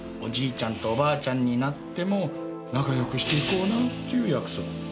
ちゃんとおばあちゃんになっても仲良くしていこうなっていう約束。